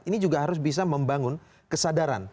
ini juga harus bisa membangun kesadaran